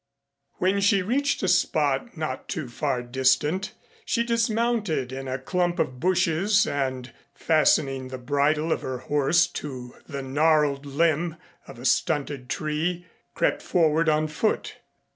When she reached a spot not too far distant, she dismounted in a clump of bushes and fastening the bridle of her horse to the gnarled limb of a stunted tree, crept forward on foot.